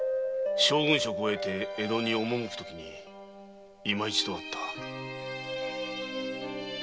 将軍職を得て江戸に赴くとき今一度会った。